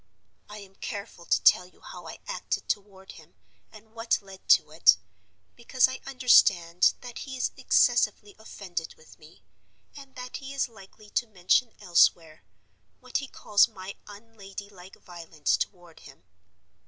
I am careful to tell you how I acted toward him, and what led to it; because I understand that he is excessively offended with me, and that he is likely to mention elsewhere what he calls my unladylike violence toward him.